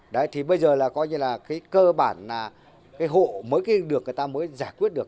đấy thì bây giờ là coi như là cái cơ bản là cái hộ mới được người ta mới giải quyết được